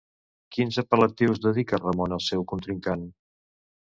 Quins apel·latius dedica Ramon al seu contrincant?